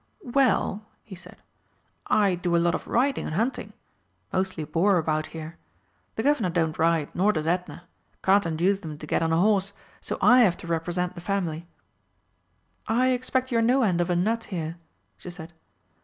"Well," he said, "I do a lot of riding and hunting. Mostly boar about here. The Guv'nor don't ride, nor does Edna. Can't induce them to get on a horse. So I have to represent the family." "I expect you're no end of a nut here," she said.